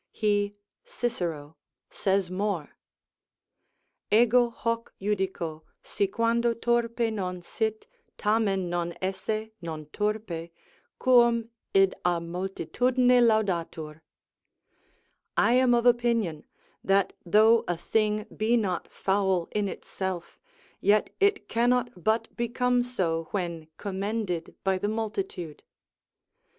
He [Cicero] says more: "Ego hoc judico, si quando turpe non sit, tamen non esse non turpe, quum id a multitudine laudatur." ["I am of opinion, that though a thing be not foul in itself, yet it cannot but become so when commended by the multitude."